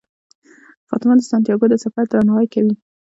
فاطمه د سانتیاګو د سفر درناوی کوي.